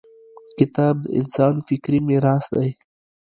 • کتاب د انسان فکري میراث دی.